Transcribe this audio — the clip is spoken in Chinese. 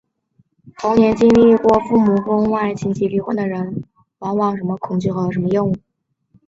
童年经历过父母婚外情及离婚的人往往会对结婚生子有着相当深的恐惧和厌恶。